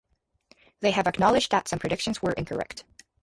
They have acknowledged that some predictions were incorrect.